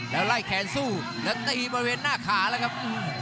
แล้วไล่แขนสู้แล้วตีบริเวณหน้าขาแล้วครับ